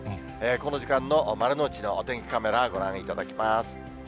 この時間の丸の内のお天気カメラ、ご覧いただきます。